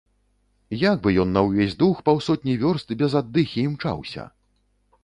Як бы ён на ўвесь дух паўсотні вёрст без аддыхі імчаўся?